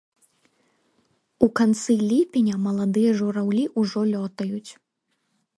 У канцы ліпеня маладыя жураўлі ўжо лётаюць.